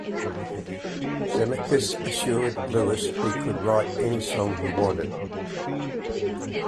Zemeckis assured Lewis he could write any song he wanted.